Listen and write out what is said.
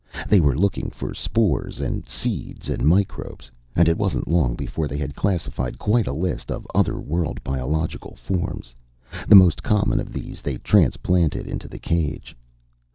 They were looking for spores and seeds and microbes. And it wasn't long before they had classified quite a list of other world biological forms. The most common of these they transplanted into the cage.